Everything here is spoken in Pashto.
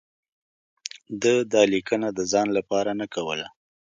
ده دا لیکنه د ځان لپاره نه کوله.